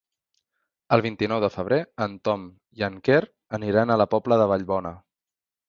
El vint-i-nou de febrer en Tom i en Quer aniran a la Pobla de Vallbona.